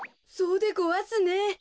そうでごわすね。